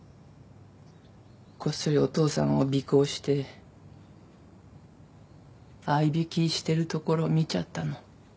こっそりお父さんを尾行してあいびきしてるところ見ちゃったの。